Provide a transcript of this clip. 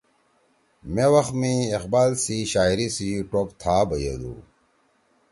مے وخ می اقبال سی شاعری سی ٹوب تھا بیَدُو